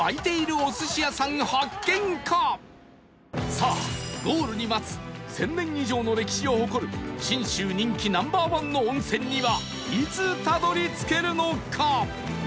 さあゴールに待つ１０００年以上の歴史を誇る信州人気 Ｎｏ．１ の温泉にはいつたどり着けるのか？